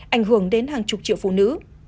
ảnh hưởng đến hàng chục triệu phụ nữ